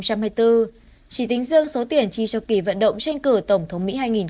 chỉ tính dương số tiền chi cho kỳ vận động tranh cử tổng thống mỹ hai nghìn hai mươi bốn